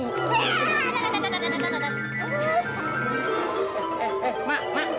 tidak tidak tidak tidak tidak